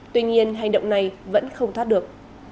tuy nhiên hành động này vẫn không thoát được